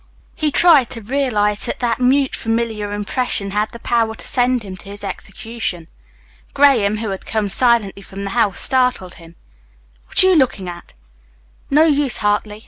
He tried to realize that that mute, familiar impression had the power to send him to his execution. Graham, who had come silently from the house, startled him. "What are you looking at?" "No use, Hartley.